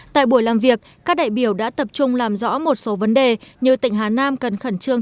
tại buổi làm việc các đại biểu đã tập trung làm rõ một số vấn đề như tỉnh hà nam cần khẩn trương